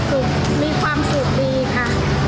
มีความสุขดีค่ะ